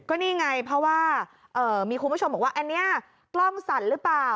ก็นี่ไงเพราะว่ามีคุณผู้ชมบอกว่าอันนี้กล้องสั่นหรือเปล่า